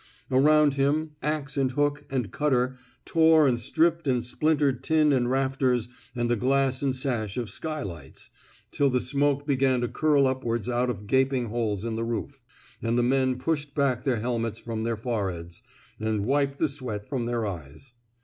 Around him, ax and hook and cutter tore and stripped and splintered tin and rafters and the glass and sash of skylights, till the smoke began to curl upwards out of gaping holes in the roof, and the men pushed back their helmets from their foreheads, and wiped the sweat from their eyes.